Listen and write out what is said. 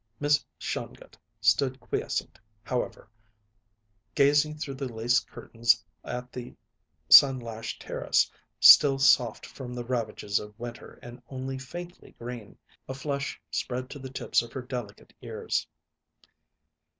Miss Shongut stood quiescent, however, gazing through the lace curtains at the sun lashed terrace, still soft from the ravages of winter and only faintly green. A flush spread to the tips of her delicate ears.